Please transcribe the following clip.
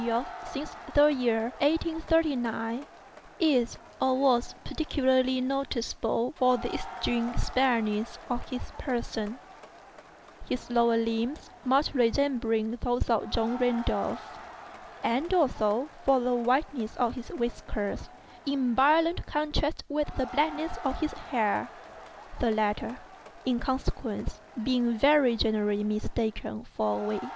Y., since the year 1839, is (or was) particularly noticeable for the extreme spareness of his person—his lower limbs much resembling those of John Randolph; and, also, for the whiteness of his whiskers, in violent contrast to the blackness of his hair—the latter, in consequence, being very generally mistaken for a wig.